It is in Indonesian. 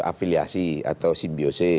tidak afiliasi atau simbiose